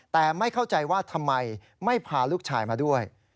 แต่ไม่เข้าใจว่าทำไมไม่พาลูกชายมาด้วย